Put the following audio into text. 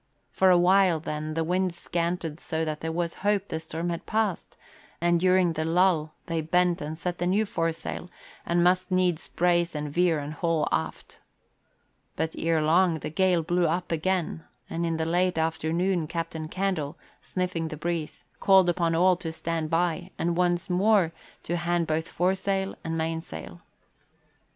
For a while, then, the wind scanted so that there was hope the storm had passed, and during the lull they bent and set the new foresail and must needs brace and veer and haul aft. But ere long the gale blew up amain, and in the late afternoon Captain Candle, sniffing the breeze, called upon all to stand by and once more to hand both foresail and mainsail.